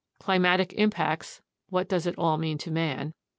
/ Climatic \/ Impacts \ What does it all mean to man?